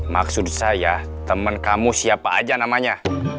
maksud saya temen kamu siapa aja namanya